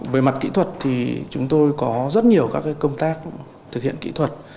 về mặt kỹ thuật thì chúng tôi có rất nhiều các công tác thực hiện kỹ thuật